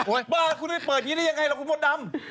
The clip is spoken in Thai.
เฮ้ยบ้าละคุณได้เปิดนี้ได้ยังไงล่ะคุณพ่อดำ